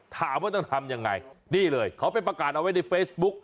ถามว่าต้องทำยังไงนี่เลยเขาไปประกาศเอาไว้ในเฟซบุ๊ก